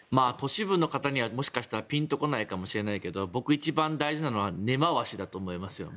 都市部の方にはピンと来ないかもしれないけど一番大事なのは根回しだと思います。